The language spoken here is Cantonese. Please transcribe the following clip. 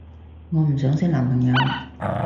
我唔想識男朋友